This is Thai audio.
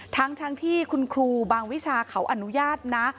ทั้งที่คุณครูบางวิชาเขาอนุญาตนะ